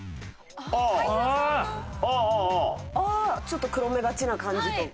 ちょっと黒目がちな感じとか。